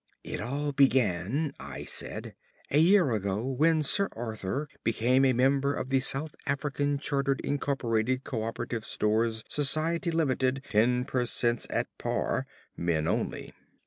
"It all began," I said, "a year ago, when Sir Arthur became a member of the South African Chartered Incorporated Co operative Stores Society Limited Ten per cents at Par (Men only).